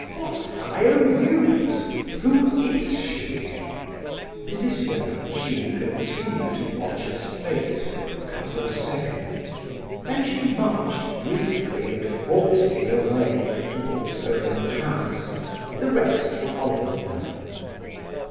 What IOU's? Who is she?" Mrs. Epanchin continued to watch his face for a couple of seconds; then she marched briskly and haughtily away towards her own house, the rest following her.